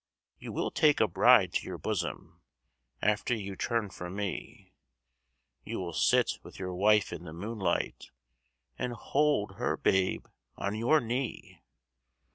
You will take a bride to your bosom After you turn from me; You will sit with your wife in the moonlight, And bold her babe on your knee.